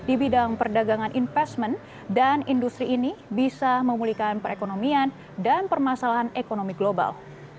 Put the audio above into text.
di bidang perdagangan investment dan industri ini bisa memulihkan perekonomian dan permasalahan ekonomi global